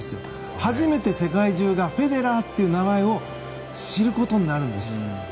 初めて世界中がフェデラーという名前を知ることになるんです。